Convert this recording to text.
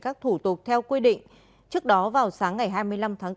các thủ tục theo quy định trước đó vào sáng ngày hai mươi năm tháng bốn